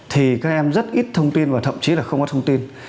thì các em rất ít thông tin và thậm chí là không có thông tin